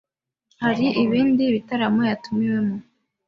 hari ibindi bitaramo yatumiwemo